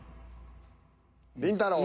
りんたろー。。